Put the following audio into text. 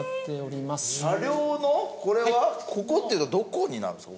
車両のこれはここっていうとどこになるんですか？